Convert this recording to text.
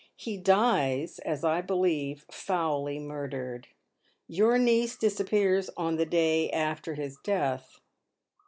He dies, as I believe, foully murdered. Your niece disappears on the day after his death."